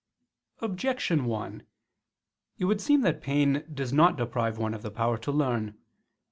Objection 1: It would seem that pain does not deprive one of the power to learn.